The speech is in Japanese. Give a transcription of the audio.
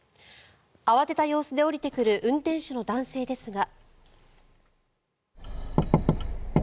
慌てた様子で降りてくる運転手の男性ですが。